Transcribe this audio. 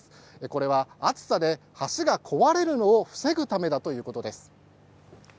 これは暑さで橋が壊れるのを防ぐためだということです。